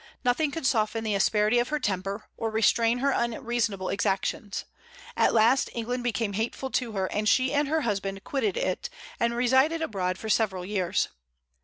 Nothing could soften the asperity of her temper, or restrain her unreasonable exactions. At last England became hateful to her, and she and her husband quitted it, and resided abroad for several years.